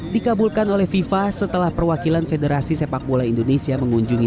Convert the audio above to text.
dikabulkan oleh fifa setelah perwakilan federasi sepak bola indonesia mengunjungi